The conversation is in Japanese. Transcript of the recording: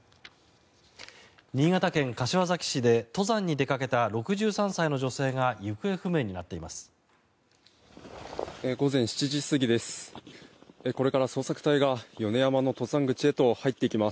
新潟県柏崎市で登山に出かけた６３歳の女性が行方不明になっています。